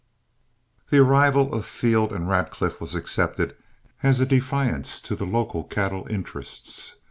The arrival of Field and Radcliff was accepted as a defiance to the local cattle interests.